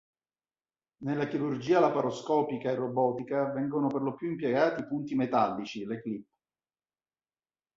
Nella chirurgia laparoscopica e robotica vengono per lo più impiegati punti metallici, le clip.